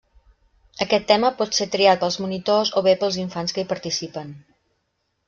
Aquest tema pot ser triat pels monitors o bé pels infants que hi participen.